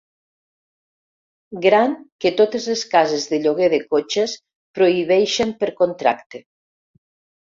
Gran que totes les cases de lloguer de cotxes prohibeixen per contracte.